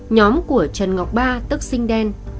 nhóm của trần ngọc ba tức sinh đen